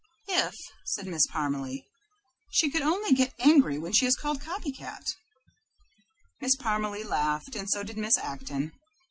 "If," said Miss Parmalee, "she could only get angry when she is called 'Copy Cat.'" Miss Parmalee laughed, and so did Miss Acton.